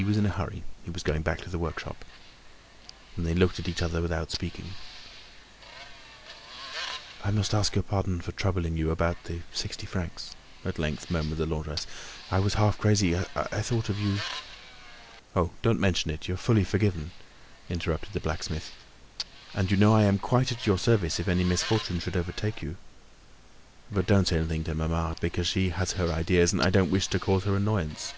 He was in a hurry; he was going back to the workshop. Then they looked at each other a moment without speaking. "I must ask your pardon for troubling you about the sixty francs," at length murmured the laundress. "I was half crazy, I thought of you—" "Oh! don't mention it; you're fully forgiven," interrupted the blacksmith. "And you know, I am quite at your service if any misfortune should overtake you. But don't say anything to mamma, because she has her ideas, and I don't wish to cause her annoyance."